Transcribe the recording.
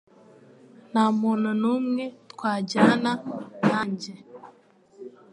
Nta muntu numwe twajyana nanjye.